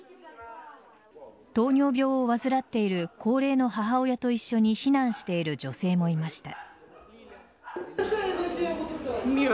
糖尿病を患っている高齢の母親と一緒に避難している女性もいました。